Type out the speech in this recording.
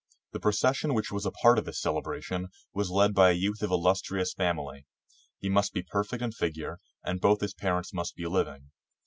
The procession which was a part of Ibis celebration was led by a youth of illustrious fam ily. He must be perfect in figure, and both his parents must be living.